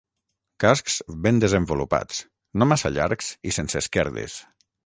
Cascs ben desenvolupats, no massa llargs i sense esquerdes.